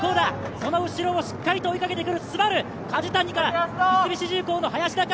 その後ろをしっかりと追いかけてくるＳＵＢＡＲＵ、梶谷か三菱重工の林田か。